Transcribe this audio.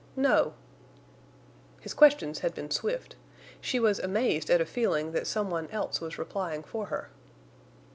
"No." His questions had been swift. She was amazed at a feeling that some one else was replying for her.